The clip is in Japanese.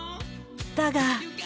だが